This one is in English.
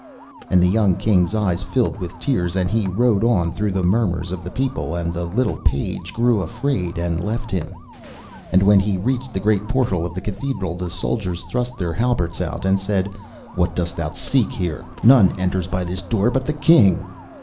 And the young King's eyes filled with tears, and he rode on through the murmurs of the people, and the little page grew afraid and left him. And when he reached the great portal of the cathedral, the soldiers thrust their halberts out and said, 'What dost thou seek here? None enters by this door but the King.